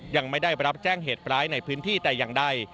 ยังไม่ได้รับแจ้งเหตุร้ายในพื้นที่แต่อย่างใด